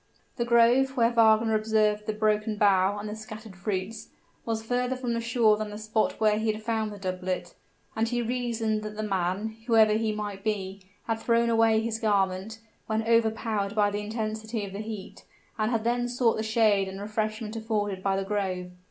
The grove, where Wagner observed the broken bough and the scattered fruits, was further from the shore than the spot where he had found the doublet; and he reasoned that the man, whoever he might be, had thrown away his garment, when overpowered by the intensity of the heat, and had then sought the shade and refreshment afforded by the grove.